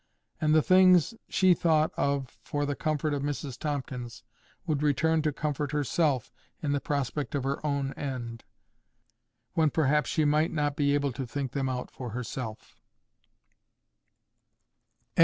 And the things she thought of for the comfort of Mrs Tomkins, would return to comfort herself in the prospect of her own end, when perhaps she might not be able to think them out for herself.